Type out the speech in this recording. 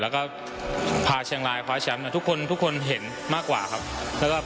และภาษณ์เชียงรายของภาษช๊ย้ำทุกคนเห็นมากกว่าครับ